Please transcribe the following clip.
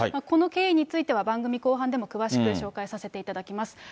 この経緯については、番組後半でも詳しく紹介させていただきます。